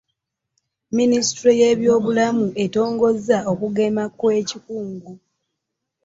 Minisitule ey'ebyobulamu etongoza okugema kw'ekikungu.